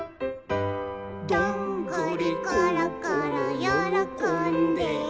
「どんぐりころころよろこんで」